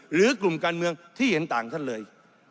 หรือกลุ่มการเมืองที่เห็นต่างท่านเลย